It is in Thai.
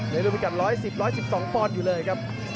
ในรุมิกันร้อยสิบร้อยสิบสองปอนด์อยู่เลยครับ